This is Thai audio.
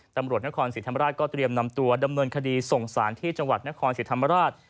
ตำรวจนครศรีธรรมราชก็เตรียมนำตัวดำเนินคดีส่งสารที่จังหวัดนครศรีธรรมราช